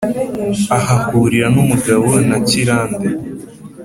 ahahurira n’ umugabo ntakirande.